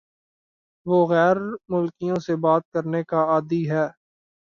وہ غیر ملکیوں سے بات کرنے کا عادی ہے